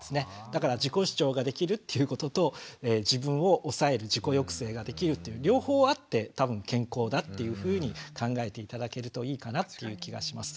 だから自己主張ができるっていうことと自分を抑える自己抑制ができるという両方あって多分健康だっていうふうに考えて頂けるといいかなっていう気がします。